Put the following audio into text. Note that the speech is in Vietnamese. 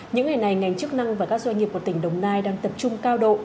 những ngày này ngành chức năng và các doanh nghiệp của tỉnh đồng nai đang tập trung cao độ